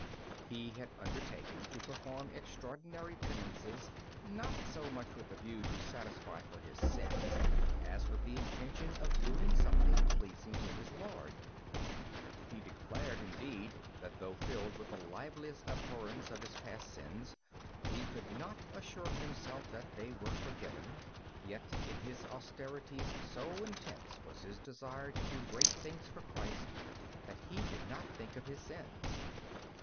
He had undertaken to perform extraordinary penances, not so much with a view to satisfy for his sins as with the intention of doing something pleasing to his Lord. He declared indeed that though filled with the liveliest abhorrence of his past sins, he could not assure himself that they were forgiven; yet in his austerities so intense was his desire to do great things for Christ that he did not think of his sins.